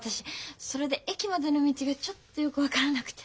それで駅までの道がちょっとよく分からなくて。